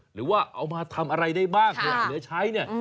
หรือว่าเอามาทำอะไรได้บ้างขยะเหลือใช้เนี่ย